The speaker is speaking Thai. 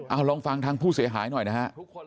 เอาลองฟังทางผู้เสียหายหน่อยนะฮะ